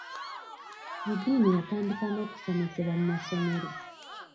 Eddiini yatandika n’okusomesebwa mu masomero.